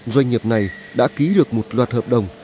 doanh nghiệp này đã ký được một loạt hợp đồng